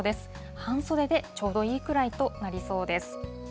半袖でちょうどいいぐらいとなりそうです。